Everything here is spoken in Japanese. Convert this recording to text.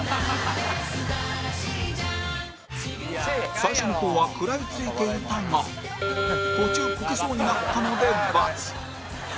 最初の方は食らいついていたが途中こけそうになったので×